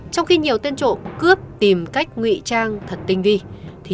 trong khi nhiều tên trộm cướp tìm cách nguy trang thật tinh vi